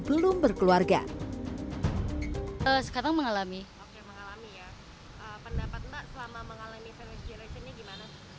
belum berkeluarga sekarang mengalami mengalami penganggu selama mengalami jelasinnya gimana